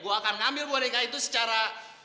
gue akan ngambil boneka itu secara